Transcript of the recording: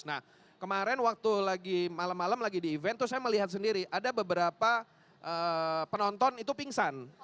nah kemarin waktu malam malam lagi di event tuh saya melihat sendiri ada beberapa penonton itu pingsan